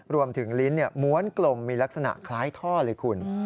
ลิ้นม้วนกลมมีลักษณะคล้ายท่อเลยคุณ